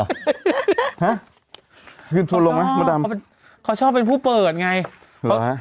ฮะยืนทัวร์ลงไหมมดดำเขาชอบเป็นผู้เปิดไง